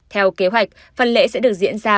theo kế hoạch phần lễ sẽ được diễn ra